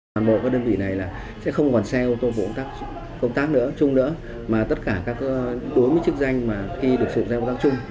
một đơn vị này sẽ không còn xe phục vụ công tác chung nữa mà tất cả các đối với chức danh khi được sự giao công tác chung